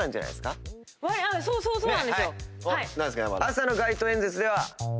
そうそう！